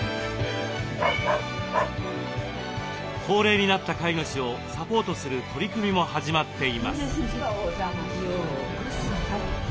高齢になった飼い主をサポートする取り組みも始まっています。